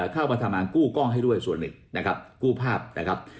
เข้ามาทำงานกู้กล้องให้ด้วยส่วนหนึ่งนะครับกู้ภาพนะครับ